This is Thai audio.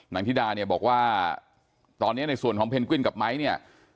ธิดาเนี่ยบอกว่าตอนนี้ในส่วนของเพนกวินกับไม้เนี่ย